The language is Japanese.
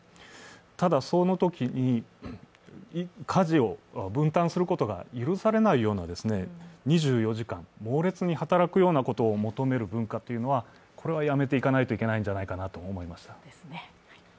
ただ、そのときに家事を分担することが許されないような２４時間猛烈に働くようなことを求める文化というのは、これはやめていかないといけないんじゃないかなと思いました。